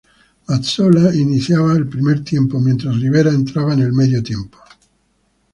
Mazzola iniciaba el primer tiempo mientras Rivera entraba en el medio tiempo.